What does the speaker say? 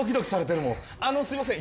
あのすいません